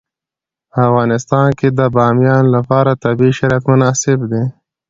په افغانستان کې د بامیان لپاره طبیعي شرایط مناسب دي.